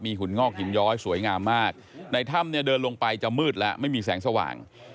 หุ่นงอกหินย้อยสวยงามมากในถ้ำเนี่ยเดินลงไปจะมืดแล้วไม่มีแสงสว่าง